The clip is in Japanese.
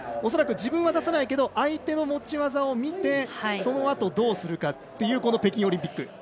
恐らく自分は出さないけど相手の持ち技を見てそのあと、どうするかという北京オリンピック。